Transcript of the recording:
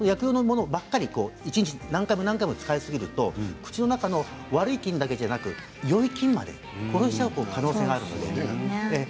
一日何回も何回も使いすぎると口の中の悪い菌だけではなくいい菌まで殺してしまう可能性があります。